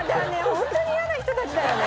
ホントに嫌な人たちだよね。